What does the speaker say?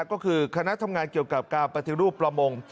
ก็คือคณะทำงานเกี่ยวกับการปฏิรูปประมง